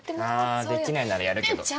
あできないならやるけど。